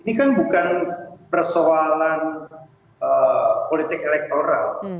ini kan bukan persoalan politik elektoral